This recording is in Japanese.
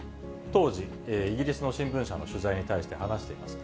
当時、イギリスの新聞社の取材に対して話しています。